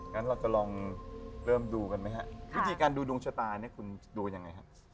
งั้นเราจะลองเริ่มดูกันไหมครับวิธีการดูดวงชะตาคุณดูยังไงครับ